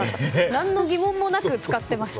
何の疑問もなく使っていました。